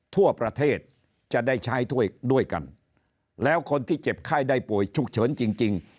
ทั่วประเทศจะได้ใช้ถ้วยด้วยกันแล้วคนที่เจ็บไข้ได้ป่วยฉุกเฉินจริง